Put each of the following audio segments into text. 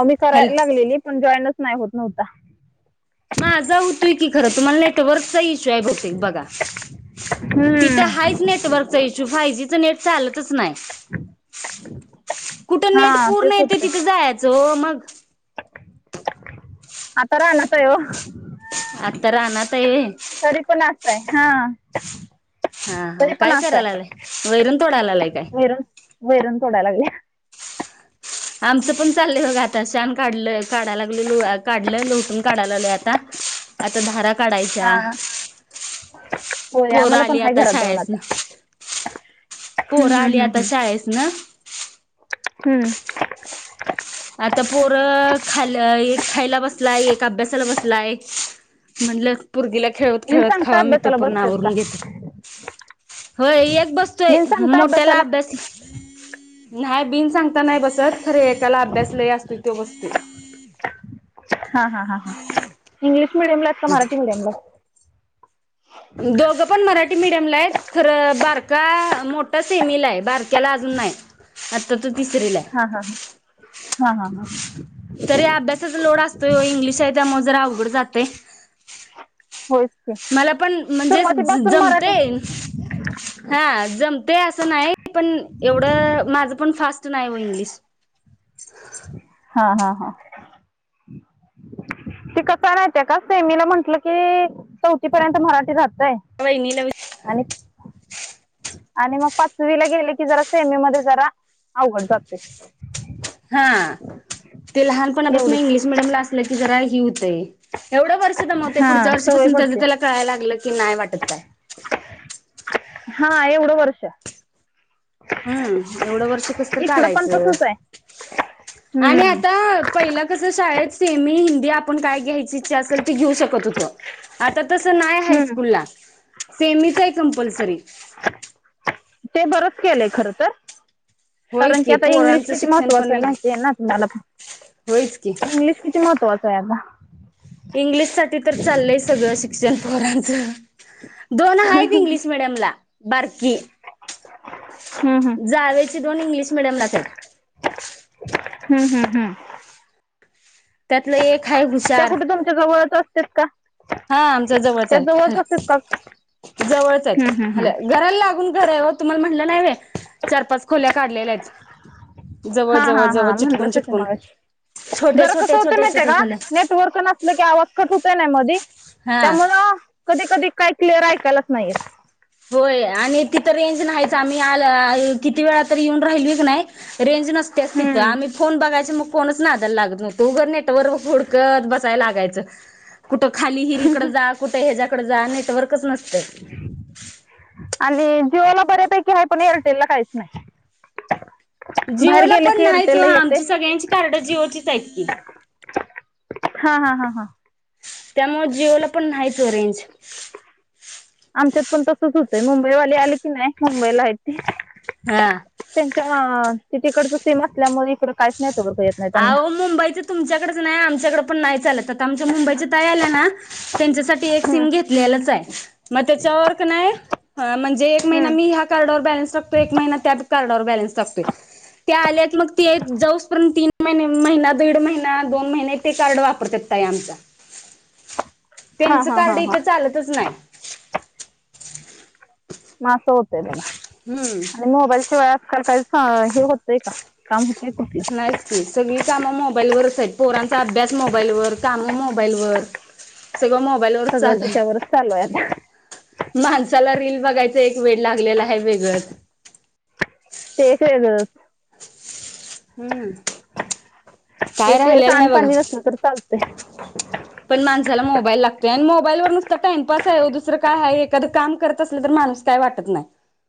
आम्ही करा हॅलो लागलेली पण जॉईनच नाही होत नव्हता. माझा होतोय की खरं तुम्हाला नि ते वरचा इशू आहे बहुतेक बघा तिथं हम्म हाय नेटवर्कचा इशू फाय जी च नेट चालतच नाय. [inaudible] कुठं हा नेट पूर्ण तेच येत होतंय तिथं जायचं ओ मग. आता रानाततय ओ. आता रानाता हाय होय. तरी पण असतय हा. हा हा तरी पण काय असं करायला आहे आलाय वैरण तोडाला आलय काय? वैरण वैरण तोडाय लागलीया. आमचं पण चाललंय बघ आता शान काढलं काढाय लागलेलो काढलं लोहटून काढायला आता. आता धारा हा काढायच्या होय पोरं आम्हाला पण आली हाय आता घरात जाऊन आता शाळेतना. हम्म, पोरं हम्म, आली हम्म, आता हम्म. शाळेसनं. हम्म. आता पोरं खाल ये खायला एक खायला बसलाय एक अभ्यासाला बसलाय. म्हणलं पोरगीला खेळवत बिन खेळवत सांगता खावा मी अभ्यासाला तोपर्यंत बसतात का आवरून घेतय. होय एक बसतोय बिन हम्म सांगता मोठ्याला अभ्यासाला अभ्यास नाय बिन सांगता नाय बसत खर ऐक्याला अभ्यासलय असतय तो बसतोय. हा हा हा हा इंग्लिश मिडियमला आहेत का मराठी मिडियमला? दोघं पण मराठी मिडियमला आहे खरं बारका मोठा सेमीला हाय बारक्याला अजून नाय आता तो तीस हा हा हा हा हा हा. तरी अभ्यासाचा लोड असतोय ओ इंग्लिश आहे त्यामुळं जरा अवघड जाते. होयच की मला पण म्हणजे ज सुरुवातीपासून मराठी जमतेन हा जमतय असं नाय एवढं माझं पण फास्ट नाय ओ इंग्लिश. हा हा हा. ती कसं आहे माहितीय का सेमीला म्हटलं कि चौथी पर्यंत मराठी राहतय. वहिनीला वी आणीत आणि मग पाचवीला गेले की जरा सेमी मध्ये जरा अवघड जाते हा ते लहानपणापासून इंग्लिश एवढंच मिडीयम लास टलं की जरा ही होतय. एवढं वर्ष दमवतय हा पुढच्या सवय वर्षीपासून त्याजा पडते त्याला कळायला लागलं की नाही वाटत काय. हा एवढं वर्ष. हम्म एवढं वर्ष कस तरी इकडं पण काढायचं तसच आहे आणि हम्म आता पहिला कसं शाळेत सेमी हिंदी आपण काय घ्यायची इच्छा असेल ती घेऊ शकत होतो आता तसं नाय हाय हम्म स्कूल ला सेमीच हाय कंपल्सरी. ते बरंच केलंय खरं तर होय कारण की आता इंग्लिश पोरांचं किती शिक्षण महत्त्वाच पण आहे ना माहीती आहे ना तुम्हाला होयच की पण. इंग्लिश किती महत्त्वाचं आहे आता इंग्लिश साठी तर चाललंय सगळं शिक्षण पोरांचा. दोन हायत इंग्लिश मिडियमला बारकी. हम्म हम्म जावेची दोन इंग्लिश मीडियमलाच हायत. हम्म हम्म हम्म. त्यातलं एक हाय त्या हुशार कुठं तुमच्या जवळच असतेस का? हा आमच्या जवळच त्या आहेत असतेत का हम्म हे जवळच आहेत हम्म हम्म हल्या घराला लागून घर आहे ओ तुम्हाला म्हटलं नाय व्हय चार-पाच खोल्या काढलेल्या हायत. हा हा हा चिटकून म्हणलंस. चिटकून [unintelligible] छोटे जरा कसं छोटे होते छोटे माहतीय छोटे का खोल्या नेट वर्क नसले की आवाज कट होतोय ना मधी हा त्यामुळं कधी-कधी काय क्लिअर ऐकायलाच नाय येत. होय आणि तिथं रेंज नाहीच आम्ही आला किती वेळा तर येऊन राहिलोय क नाय रेंज नसत्याच तिथं हम्म. आम्ही फोन बघायं मग कोणच नादयला लागत नाय तू उग नेटवर हूडकत बसायला लागायचं. कुठं खाली हिरीकड जा कुठं ह्याच्या्याकड जा नेटवर्कच नसतंय. आणि जीओला बऱ्यापैकी हाय पण एरटेल ला कायच नाय. जिओला पन न्हाईच वो एअरटेलला येते. आमची सगळ्यांची कारडं जिओचीच हाईत की. हा हा हा हा. त्यामुळं जिओला पण न्हाईच ओ रेंज. आमच्यात पण तसच होतंय मुंबईवाले आले की नाय मुंबईला आहे ते हां. त्यांच्या ति तिकडचं सीम असल्यामुळे इकड काहीच नेटवर्क येत. नाही त्यांना आव मुंबईच तुमच्याकडच नाही आमच्याकडे पण नाही चालत. आता आमच्या मुंबईच्या ताई आल्या ना त्यांच्यासाठी एक हम्म. सिम घेतलेलंच आहे. म त्याच्या वर का नाय म्हणजे एक महिना हम्म. मी ह्या कार्डावर बैलेंस टाकतो एक महिना, त्या कार्डावर बैलेंस टाकतोय, त्या आल्या की जाऊस पर्यन्त महिने महिना दीड महिना दोन महिने ते कार्ड वापरतात ताई आमच्या. हा त्यांनचं हा हा कार्ड हा इथं चालतच नाही. म अस होतय बघा. हम्म. आणि मोबाईल शिवाय आजकाल काही हे होतय का काम होतय कुठलं. मग मोबाईल वरचये. पोरांचा अभ्यास मोबाईल वर, काम मोबाईल वर, सगळ मो मोबाईल वर अच सगळं चालुयं. त्याच्यावरच चालू आहे आता माणसाला रिल बघायचा एक वेड लागलेला आहे वेगळंच ते एक वेगळच‌. हम्म काय एक वेळ राहिलेलं नाही बघा सांडपाणी नसलं तर चालतय. [inaudible] पण माणसाला मोबाईल लागतोय आणि मोबाईलवर नुसता टाइमपास आहे दुसरं काय आहे, एखादं काम करत असल तर माणूस काय वाटत नाय,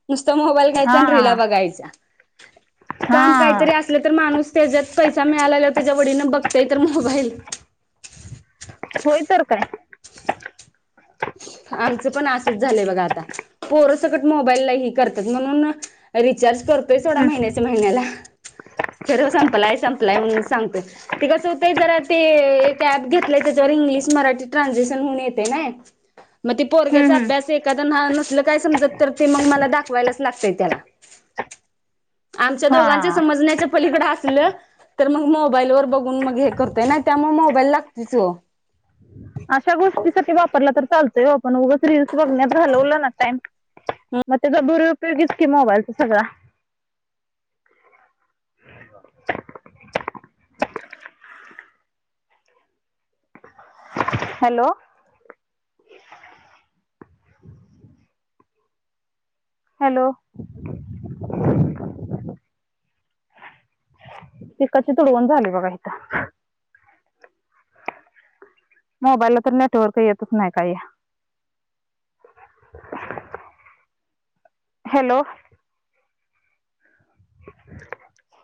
नुसता हा मोबाईल रीला बघायच्या काम हा कायतरी अस तर माणूस त्याच्यात पैसा मिळाला त्याच्या वोडीनं बघतोय तर मोबाईल. होय तर काय. आमचं पण असच झालंय बघा आता. पोरसकट मोबाईलला हे करतात म्हणून रिचार्ज करतोय सोडा हं, महिन्या महिन्याला खर संपलाय संपलाय म्हणून सांगतेय. ते कसं होतय जरा ते एक ऍप घेतलंय त्याच्यावर इंग्लिश मराठी ट्रान्सलेशन होऊन येते नाय. म ते हं, पोरग्याचा हं. अभ्यास एक एखाद नह-नसल काय समजत तर ते मग मला दाखवायलाच लागतय त्याला. आमच्या हा दोघांच्या समजण्याच्या पलीकडं आसलं तर मग मोबाईल वर बघून मग हे करतय ना त्यामुळे मोबाईल लागतेच हो. अश्या गोष्टीसाठी वापरला तर चालतोय ओ पण उगच रीलल्स बघण्यात घालवलं ना टाइम. म त्याचा दुरुपयोग की मोबाईलच सगळा. हॅलो! हॅलो! पिककाची तुडवण झाली बघा इथं. मोबाईलला तर नेटवर्क येतच नाही काय. हॅलो! [inaudible] [unintelligible]